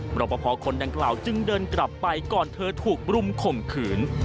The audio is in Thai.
ประพอคนดังกล่าวจึงเดินกลับไปก่อนเธอถูกรุมข่มขืน